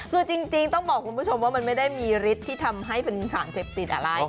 คือจริงต้องบอกคุณผู้ชมว่ามันไม่ได้มีฤทธิ์ที่ทำให้เป็นสารเสพติดอะไร